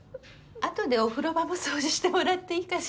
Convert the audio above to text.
あとでお風呂場も掃除してもらっていいかしら？